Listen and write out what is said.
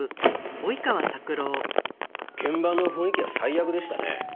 現場の雰囲気は最悪でしたね。